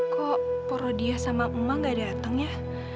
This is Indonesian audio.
kok poro dia sama emak enggak datang ya